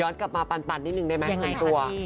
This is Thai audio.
ย้อนกลับมาปานนิดนึงได้ไหมคุณตัว